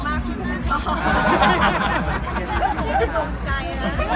ใช่กี้หลังบองเปดหละครับ